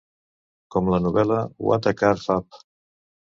Com la novel·la What a Carve Up!